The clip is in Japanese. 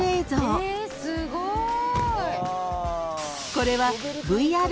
［これは］